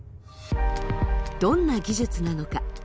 どんな技術なのか。